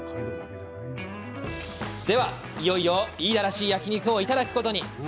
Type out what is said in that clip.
では、いよいよ飯田らしい焼肉をいただくことに。